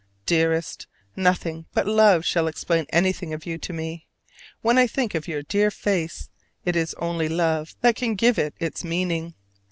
Dearest, nothing but love shall explain anything of you to me. When I think of your dear face, it is only love that can give it its meaning.